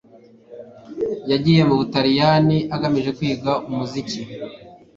yagiye mu butaliyani agamije kwiga umuziki